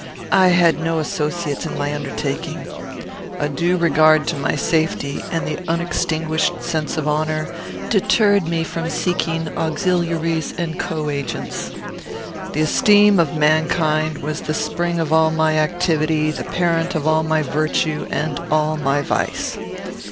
I had no associates in my undertaking. A due regard to my safety, and the unextinguished sense of honour, deterred me from seeking auxiliaries and co agents. The esteem of mankind was the spring of all my activity, the parent of all my virtue and all my vice.